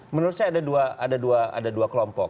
menurut saya ada dua kelompok